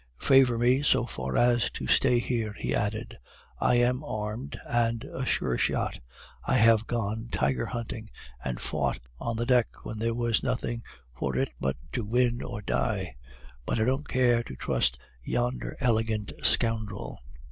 "'Favor me so far as to stay here,' he added. 'I am armed, and a sure shot. I have gone tiger hunting, and fought on the deck when there was nothing for it but to win or die; but I don't care to trust yonder elegant scoundrel.